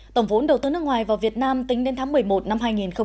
tổng vốn đầu tư nước ngoài vào việt nam tính đến tháng một mươi một năm hai nghìn hai mươi